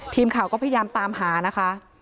ทีมข่าวก็พยายามตามหานะคะ